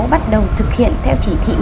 bắt đầu thực hiện theo chỉ thị một mươi sáu